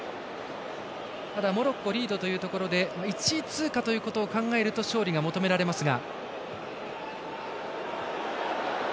ただ、モロッコリードというところで１位通過を考えると勝利が求められますが。